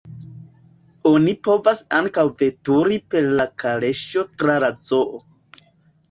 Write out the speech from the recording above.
Oni povas ankaŭ veturi per kaleŝo tra la zoo.